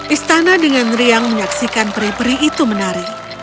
istana dengan riang menyaksikan peri peri itu menari